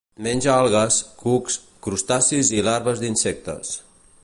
Menja algues, cucs, crustacis i larves d'insectes.